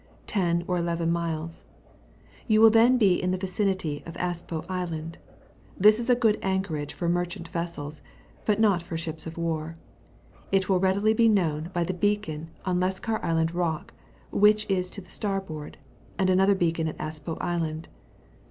10 or 11 miles; you will then be in the vicinity of Aspo Island; this is a good anchorage for merchant vessels, but not for ships of war: it will readily be known by the beacon on Leskar Island Rock, which is to the starboard, and another beacon at Aspo Island.